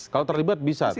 kalau terlibat bisa